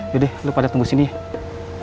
yaudah deh lo pada tunggu sini ya